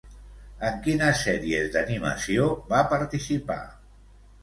En quines sèries d'animació va participar?